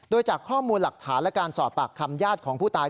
โดยจากข้อมูลหลักฐานและการสอบปากคำญาติของผู้ตาย